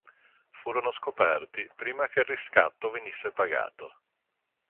Furono scoperti prima che il riscatto venisse pagato.